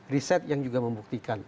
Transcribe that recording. riset yang juga membuktikan